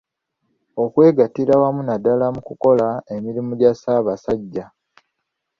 Okwegattira awamu naddala mu kukola emirimu gya Ssabasajja.